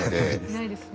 いないですね。